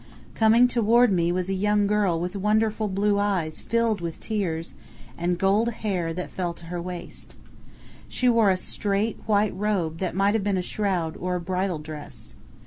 Coming toward me was a young girl with wonderful blue eyes filled with tears and gold hair that fell to her waist. She wore a straight, white robe that might have been a shroud or a bridal dress.